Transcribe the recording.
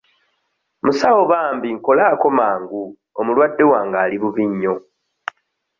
Musawo bambi nkolako mangu omulwadde wange ali bubi nnyo.